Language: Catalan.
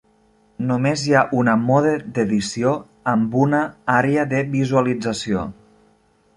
Només hi ha una "mode d'edició" amb una àrea de visualització.